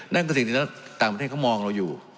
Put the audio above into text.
นั่นคือสิ่งที่ต่างประเทศเขามองเราอยู่